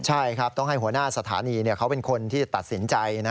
ใช่ต้องให้หัวหน้าสถานีเป็นคนที่จะตัดสินใจ